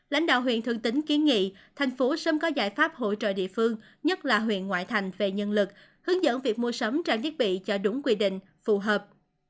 lãnh đạo huyện thường tín kiến nghị thành phố sớm có giải pháp hỗ trợ địa phương nhất là huyện ngoại thành về nhân lực hướng dẫn việc mua sắm trang thiết bị cho đúng quy định phù hợp